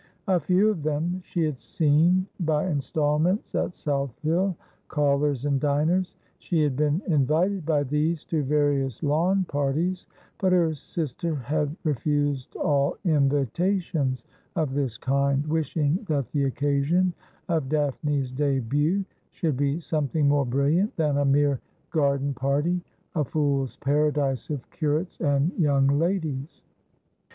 A few of them she had seen by instalments at South Hill — callers and diners. She had been invited by these to various lawn parties : but her sister had re fused all invitations of this kind, wishing that the occasion of Daphne's debut should be something more brilliant than a mere garden party, a fool's paradise of curates and young ladies.